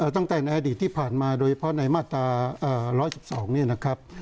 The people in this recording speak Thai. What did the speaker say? ตั้งแต่ในอดีตที่ผ่านมาโดยเฉพาะในมาตรา๑๑๒เนี่ยนะครับ